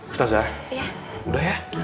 ustadz udah ya